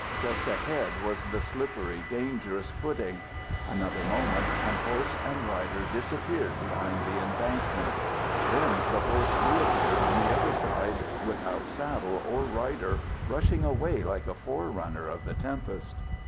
Just ahead was the slippery, dangerous footing. Another moment and horse and rider disappeared behind the embankment. Then the horse reappeared on the other side, without saddle or rider, rushing away like a forerunner of the tempest.